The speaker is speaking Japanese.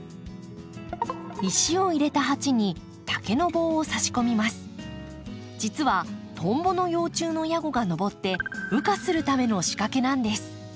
石を入れた鉢に実はトンボの幼虫のヤゴが上って羽化するための仕掛けなんです。